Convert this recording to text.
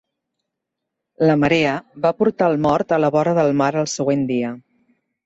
La marea va portar el mort a la vora del mar el següent dia.